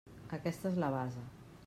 Aquesta és la base.